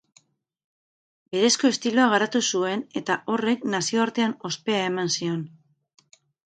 Berezko estiloa garatu zuen eta horrek nazioartean ospea eman zion.